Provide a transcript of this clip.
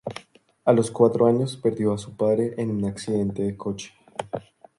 A los cuatro años perdió a su padre en un accidente de coche.